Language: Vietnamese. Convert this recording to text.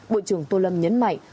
bộ trưởng tô lâm nhấn mạnh